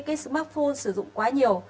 cái smartphone sử dụng quá nhiều